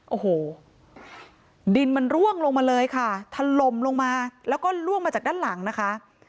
โอ้โหดินมันร่วงลงมาเลยค่ะทะลมลงมาแล้วก็ล่วงมาจากด้านหลังนะคะ